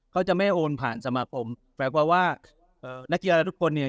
เขาจะไม่โอนผ่านสมาคมแปลว่าเอ่อนักกีฬาทุกคนเนี่ย